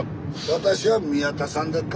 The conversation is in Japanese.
私は宮田さんでっか？